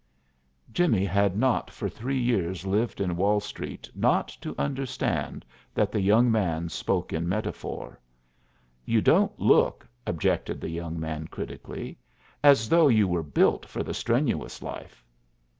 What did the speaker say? Jimmie had not for three years lived in Wall Street not to understand that the young man spoke in metaphor. "You don't look," objected the young man critically, "as though you were built for the strenuous life."